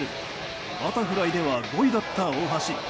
バタフライでは５位だった大橋。